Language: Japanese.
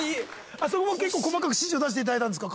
あそこも結構細かく指示を出していただいたんですか？